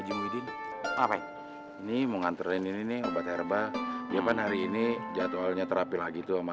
jum'udin ngapain ini mengantarin ini obat herba dia kan hari ini jadwalnya terapi lagi tuh sama